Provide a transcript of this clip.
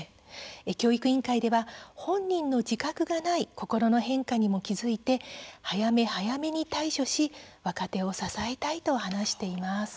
教育委員会では本人の自覚がない心の変化に気が付いて早め早めに対処し若手を支えたいと話しています。